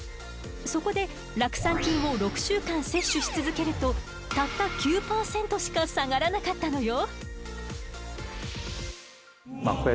そこで酪酸菌を６週間摂取し続けるとたった９％しか下がらなかったのよ。